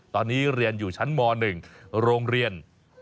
ตอนนี้เรียนอยู่ชั้นม๑โรงเรียน